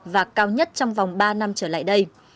và cao nhất trong vòng ba năm trở lại đây